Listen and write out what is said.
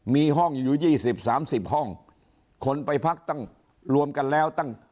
มีห้องอยู่๒๐๓๐ห้องคนไปพักตั้งรวมกันแล้วตั้ง